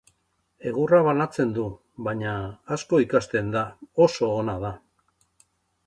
Egurra banatzen du, baina asko ikasten da, oso ona da.